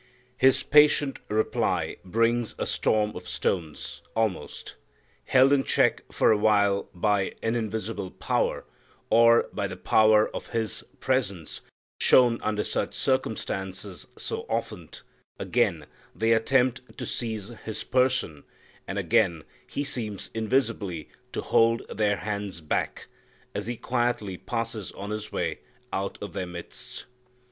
His patient reply brings a storm of stones almost. Held in check for a while by an invisible power, or by the power of His presence shown under such circumstances so often, again they attempt to seize His person, and again He seems invisibly to hold their hands back, as He quietly passes on His way out of their midst.